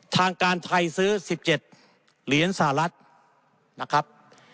ทางการไทยซื้อ๑๗เหรียญสหรัฐนะครับ